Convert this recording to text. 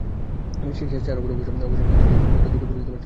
শেষ চার ওভারে অবশ্য ম্যাকাইকে মাত্র দুটি বলেই স্ট্রাইক দিয়েছেন ফকনার।